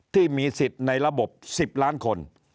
ที่มีสิทธิ์ในระบบ๑๐ล้านคน